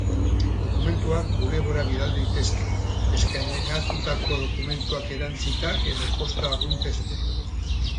Dokumentuak bulegora bidal daitezke, eskaneatutako dokumentuak erantsita edo posta arruntez ere.